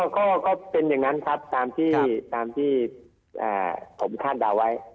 ก็เป็นอย่างนั้นครับตามที่ผมคาดเดาไว้